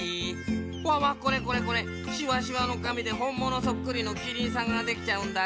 わっわっこれこれこれしわしわのかみでほんものそっくりのキリンさんができちゃうんだ。